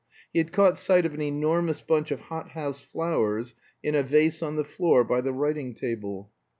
He had caught sight of an enormous bunch of hothouse flowers in a vase on the floor by the writing table.